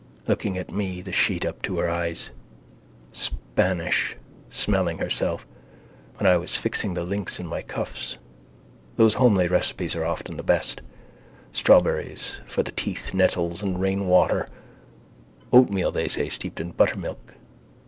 Looking at me, the sheet up to her eyes, Spanish, smelling herself, when I was fixing the links in my cuffs. Those homely recipes are often the best: strawberries for the teeth: nettles and rainwater: oatmeal they say steeped in buttermilk.